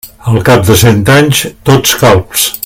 Al cap de cent anys, tots calbs.